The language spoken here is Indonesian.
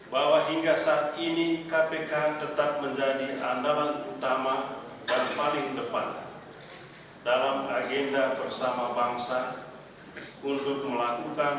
bahwa hingga saat ini kpk tetap berada di dalam kemampuan